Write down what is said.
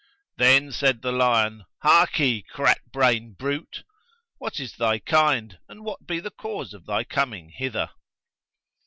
Then said the lion, 'Harkye, crack brain brute! What is thy kind and what be the cause of thy coming hither?'